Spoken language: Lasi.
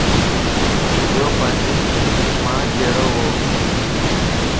يو پانجي مان جھڙووَ